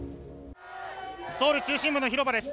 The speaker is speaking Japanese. ソウル中心部の広場です。